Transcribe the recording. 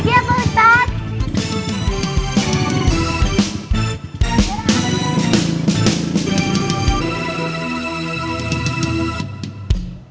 pergi ya pak ustadz